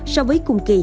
so với cùng kỳ